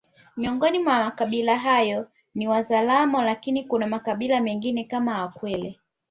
Miongoni mwa kabila hayo ni Wazaramo lakini kuna makabila mengine kama wakwere